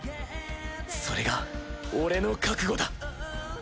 それが俺の覚悟だ！